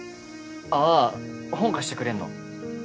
ああ本貸してくれるの？